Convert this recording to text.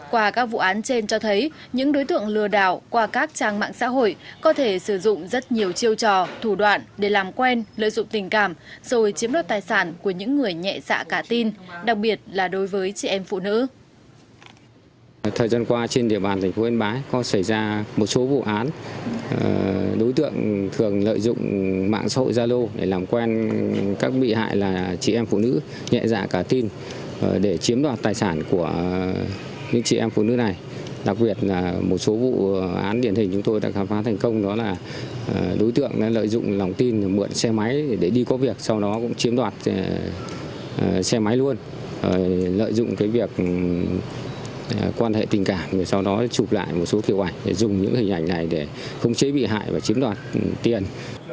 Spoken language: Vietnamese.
qua các vụ án trên cho thấy những đối tượng lừa đảo qua các trang mạng xã hội có thể sử dụng rất nhiều chiêu trò thủ đoạn để làm quen lợi dụng tình cảm rồi chiếm đoạt tài sản của những người nhẹ xạ cá tin